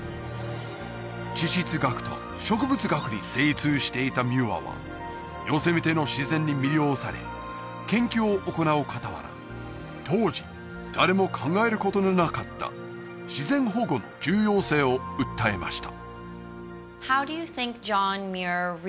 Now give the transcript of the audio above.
地質学と植物学に精通していたミューアはヨセミテの自然に魅了され研究を行う傍ら当時誰も考えることのなかった自然保護の重要性を訴えました